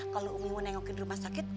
kalo umi mau nengokin rumah sakit